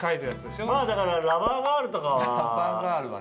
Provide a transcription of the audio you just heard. だからラバーガールとかは。